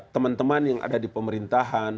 teman teman yang ada di pemerintahan